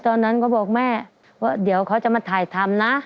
ตอนนั้นก็บอกแม่ว่าเดี๋ยวเขาจะมาถ่ายทำนะ